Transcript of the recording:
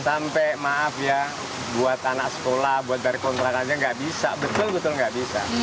sampai maaf ya buat anak sekolah buat dari kontrak aja gak bisa betul betul gak bisa